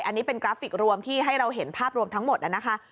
อันนี้เป็นกราฟิกรวมที่ให้เราเห็นภาพรวมทั้งหมดนะคะ